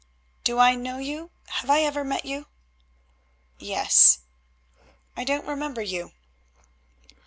"Do I know you? Have I ever met you?" "Yes." "I don't remember you."